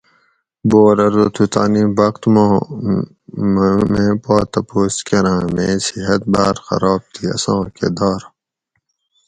بور ارو تو تانی بخت ماں میں پا تپوس کرۤاں میں صیحت باۤر خراب تھی اساں کہ دارہ؟